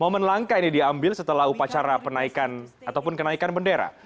momen langka ini diambil setelah upacara kenaikan bendera